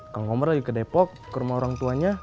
kang komar lagi ke depok ke rumah orang tuanya